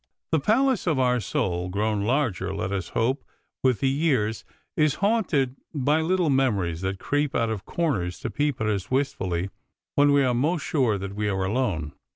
The palace of our soul, grown larger let us hope with the years, is haunted by little memories that creep out of corners to peep at us wistfully when we are most sure that we are alone.